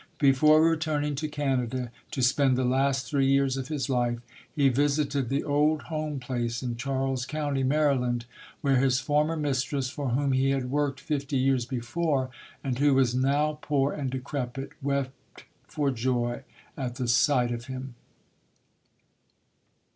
Before returning to Canada to spend the last three years of his life, he visited the old home place in Charles County, Maryland, where his former mistress, for whom he had worked fifty years before, and who was now poor and decrepit, wept for joy at the sight of him.